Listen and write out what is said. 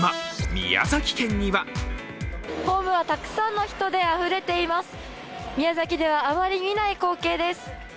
宮崎ではあまり見ない光景です。